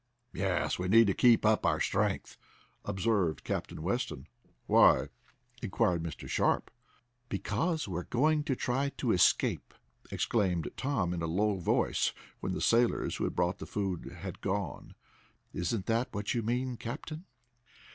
"Yes, we need to keep up our strength," observed Captain Weston. "Why?" inquired Mr. Sharp. "Because we're going to try to escape!" exclaimed Tom in a low voice, when the sailors who had brought the food had gone. "Isn't that what you mean, captain?"